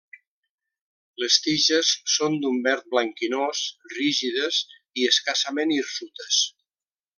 Les tiges són d'un verd blanquinós, rígides i escassament hirsutes.